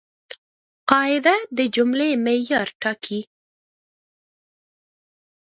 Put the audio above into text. قاعده د جملې معیار ټاکي.